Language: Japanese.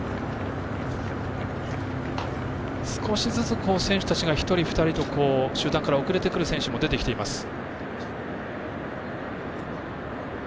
少しずつ、選手たちが１人、２人と集団から遅れてくる選手が出てきています。